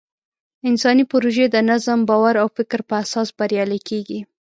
انساني پروژې د نظم، باور او فکر په اساس بریالۍ کېږي.